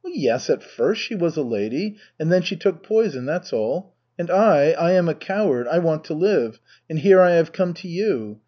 "Yes, at first she was a 'lady,' and then she took poison, that's all. And I, I am a coward, I want to live, and here I have come to you.